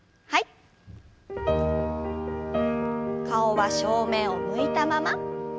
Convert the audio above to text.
顔は正面を向いたまま。